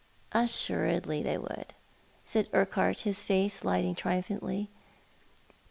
" "Assuredly they would," said UrLiuhart, his face lighting triumphantly.